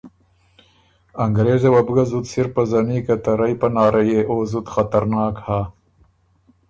انګرېزه وه بُو ګه زُت سِر پزنی که ته رئ پناره يې او زُت خطرناک هۀ